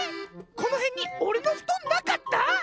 このへんにおれのふとんなかった？